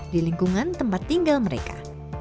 di lingkungan tempat tinggal mereka